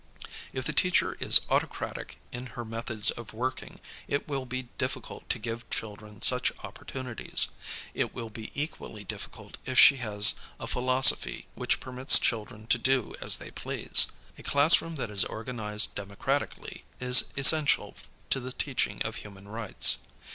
If the teacher is autocratic in her methods of working, it will be difficult to give children such opportunities. It will be equally difficult if she has a philosophy which permits children to do as they please. A classroom that is organized democratically is essential to the teaching of human rights.